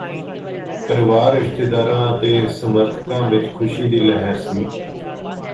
ਪਰਿਵਾਰ ਰਿਸ਼ਤੇਦਾਰਾਂ ਅਤੇ ਸਮਰਥਕਾਂ ਵਿਚ ਖੁਸ਼ੀ ਦੀ ਲਹਿਰ ਸੀ